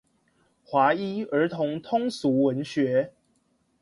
華一兒童通俗文學